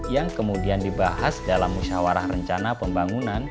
yang kemudian dibahas dalam musyawarah rencana pembangunan